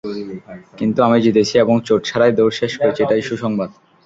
কিন্তু আমি জিতেছি এবং চোট ছাড়াই দৌড় শেষ করেছি, এটাই সুসংবাদ।